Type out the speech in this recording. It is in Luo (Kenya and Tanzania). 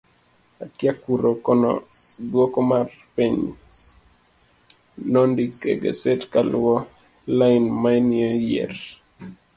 akia koru kono duoko mar peny nondik e gaset kaluo lain manoyier